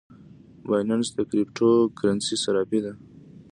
بایننس د کریپټو کرنسۍ صرافي ده